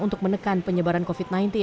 untuk menekan penyebaran covid sembilan belas